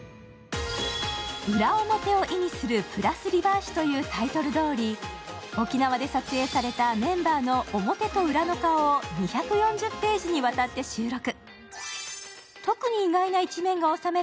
裏表を意味する「＋ＲＥＶＥＲＳｉ」というタイトルどおり、沖縄で撮影されたメンバーの表と裏の顔を２４０ページにわたって収録。